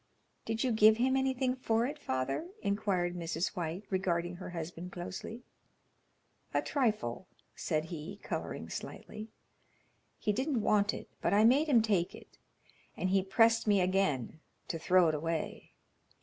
"Did you give him anything for it, father?" inquired Mrs. White, regarding her husband closely. "A trifle," said he, colouring slightly. "He didn't want it, but I made him take it. And he pressed me again to throw it away."